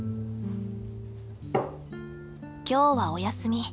今日はお休み。